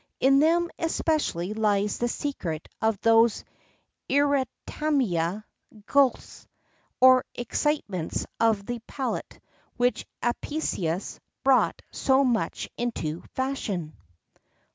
In them especially lies the secret of those irritamenta gulæ, or excitements of the palate, which Apicius brought so much into fashion.